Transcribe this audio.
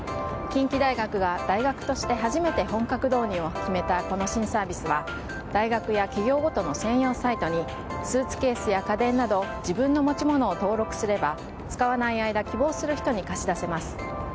近畿大学が大学として初めて本格導入を決めたこの新サービスは大学や企業ごとの専用サイトにスーツケースや家電など、自分の持ち物を登録すれば、使わない間希望する人に貸し出せます。